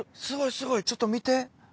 すごいすごいちょっと見て。